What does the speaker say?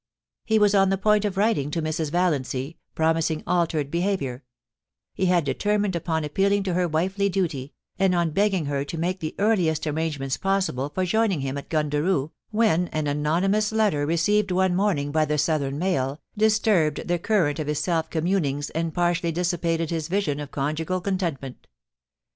He was on the point of writing to Mrs. Valiancy, pro mising altered behaviour ; he had determined upon appeal ing to her wifely duty, and on begging her to make the earliest arrangements possible for joining him at Gundaroo, when an anonymous letter, received one morning by the southern mail, disturbed the current of his self communings and partially dissipated his vision of conjugal content ment.